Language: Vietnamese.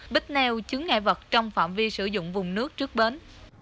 bích neo chứa ngại vật trong phạm vi sử dụng vùng nước trước bến